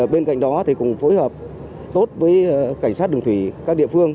bên cạnh đó thì cũng phối hợp tốt với cảnh sát đường thủy các địa phương